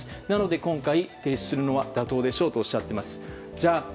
なので、今回停止するのは妥当でしょうとおっしゃっています。